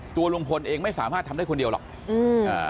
ตัวลุงพลเองไม่สามารถทำได้คนเดียวหรอกอืมอ่า